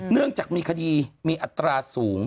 เนื่องจากมีคดีมีอัตราสูง